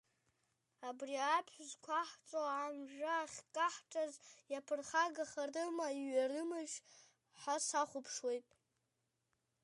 Абри аԥҳә зқәаҳҵо амжәа ахькаҳҿаз иаԥырхагахарыма, иҩарымашь ҳәа сахәаԥшуеит.